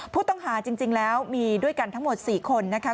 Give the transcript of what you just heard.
ผู้ต้องหาจริงแล้วมีด้วยกันทั้งหมด๔คนนะคะ